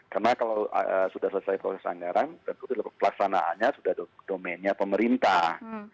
karena kalau sudah selesai proses anggaran tentu pelaksanaannya sudah domennya pemerintah